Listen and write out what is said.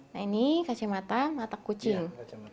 nah ini kacamata mata kucing